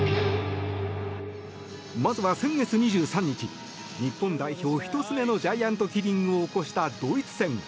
まずは、先月２３日日本代表１つ目のジャイアントキリングを起こしたドイツ戦。